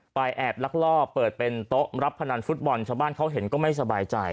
แอบลักลอบเปิดเป็นโต๊ะรับพนันฟุตบอลชาวบ้านเขาเห็นก็ไม่สบายใจ